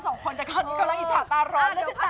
เราสองคนแต่ก่อนนี้กำลังอิจฉาตาร้อน